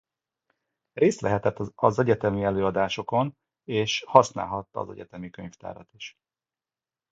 Részt vehetett az egyetemi előadásokon és használhatta az egyetemi könyvtárat is